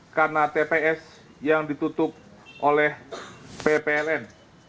karena tps yang ditutup oleh ppln